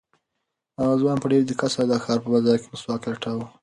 هغه ځوان په ډېر دقت سره د ښار په بازار کې مسواک لټاوه.